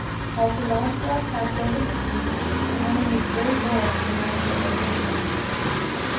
How Sir Launcelot passed over the sea, and how he made great lords of the knights that went with him.